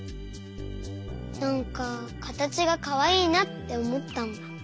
なんかかたちがかわいいなっておもったんだ。